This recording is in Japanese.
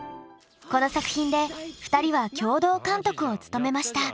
この作品で２人は共同監督を務めました。